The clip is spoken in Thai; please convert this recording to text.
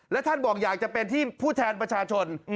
และท่านบอกอยากจะเป็นที่ผู้แทนประชาชน